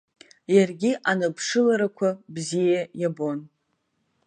Иаргьы аныԥшыларақәа бзиа иабон.